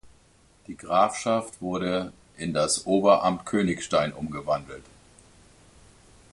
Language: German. Die Grafschaft wurde in das Oberamt Königstein umgewandelt.